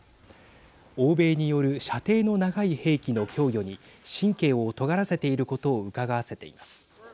欧米による射程の長い兵器の供与に神経をとがらせていることをうかがわせています。